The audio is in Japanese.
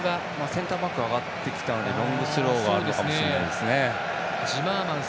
センターバックが上がってきたのでロングスローかもしれません。